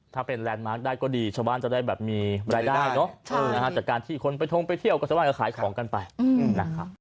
ถ้าเป็นแลนดมาร์คได้ก็ดีชาวบ้านจะได้แบบมีรายได้เนอะจากการที่คนไปทงไปเที่ยวก็สามารถก็ขายของกันไปนะครับ